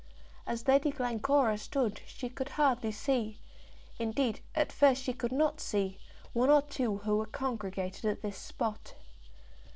As Lady Glencora stood she could hardly see, indeed, at first she could not see, one or two who were congregated at this spot.